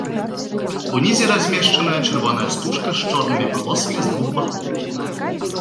Унізе размешчаная чырвоная стужка з чорнымі палосамі з двух бакоў.